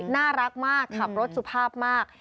น่ารักมากขับรถสุภาพมาก